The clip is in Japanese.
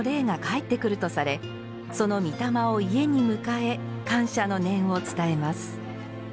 帰ってくるとされそのみ魂を家に迎え感謝の念を伝えます。